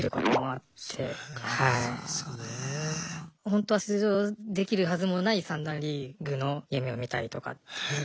ほんとは出場できるはずもない三段リーグの夢を見たりとかって。